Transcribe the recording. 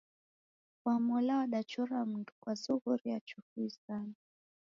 Wamola wadachora mundu kwa zoghori ya chufu isanu.